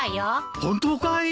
本当かい？